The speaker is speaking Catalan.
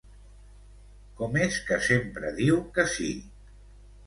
Com és que sempre diu que sí?